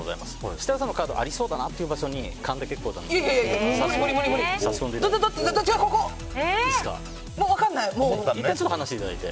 設楽さんのカードありそうだなという場所に勘で結構なので指していただいて。